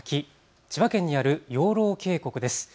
千葉県にある養老渓谷です。